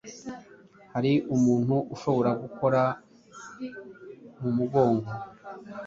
Hari umuntu ushobora gukora mu mugongo